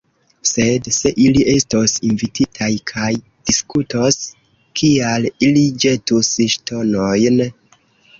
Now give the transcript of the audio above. Sed, se ili estos invititaj kaj diskutos, kial ili ĵetus ŝtonojn?